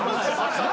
何？